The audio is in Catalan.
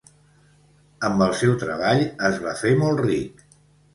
Amb el seu treball es va fer molt ric.